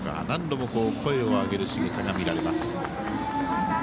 何度も声を上げるしぐさが見られます。